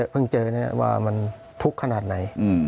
เจอว่ามันทุกข์ขนาดไหน